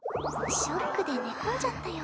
ショックで寝込んじゃったよ。